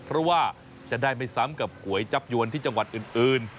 เพราะว่าจะได้ไม่ซ้ำกับก๋วยจับยวนที่จังหวัดอื่น